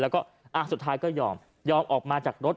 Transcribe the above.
แล้วก็สุดท้ายก็ยอมยอมออกมาจากรถ